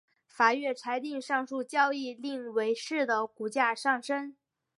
法院裁定上述交易令伟仕的股价上升。